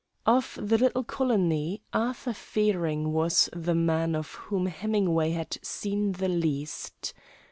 Of the little colony, Arthur Fearing was the man of whom Hemingway had seen the least.